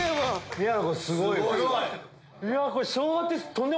宮野君すごい！